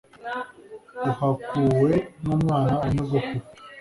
uhakuwe n'umwana wa nyogokuru